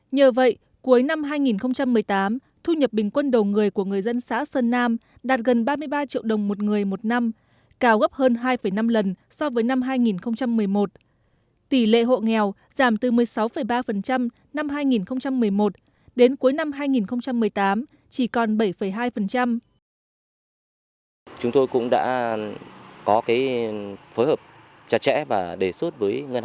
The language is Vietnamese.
nhờ vậy cuối năm hai nghìn một mươi tám thu nhập bình quân đầu người của người dân xã sơn nam đạt gần ba mươi ba triệu đồng một người một năm